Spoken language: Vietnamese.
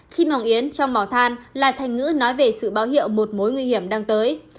chim mỏng yến trong màu than là thành ngữ nói về sự báo hiệu một mối nguy hiểm đang tới